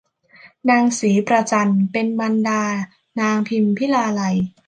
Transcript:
นางศรีประจันเป็นมารดานางพิมพิลาไลย